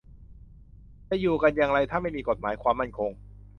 จะอยู่กันอย่างไร ถ้าไม่มีกฎหมายความมั่นคง